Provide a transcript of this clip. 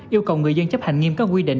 yêu cầu người dân chấp hành nghiêm các quy định